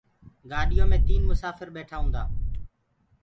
گآڏيو مي تيٚن مسآڦر ٻيٺآ هونٚدآ